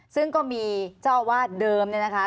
ซึ่งก็มีเจ้าอาวาสเดิมเนี่ยนะคะ